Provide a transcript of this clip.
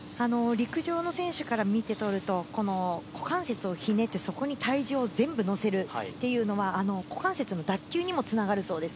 陸上の選手から見て取ると、股関節をひねって、そこに体重を全部のせるというのは、股関節の脱臼にもつながるそうです。